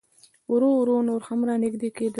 ورو ورو نور هم را نږدې کېده.